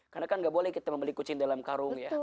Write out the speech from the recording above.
karena kan gak boleh kita membeli kucing dalam karung ya